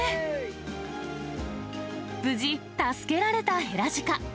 無事、助けられたヘラジカ。